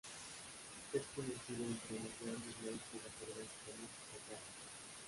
Es conocido entre los Grandes Maestros de Ajedrez como 'Satán'.